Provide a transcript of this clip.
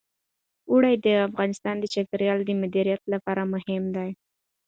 اوړي د افغانستان د چاپیریال د مدیریت لپاره مهم دي.